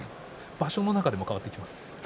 場所の中でも変わってきますか？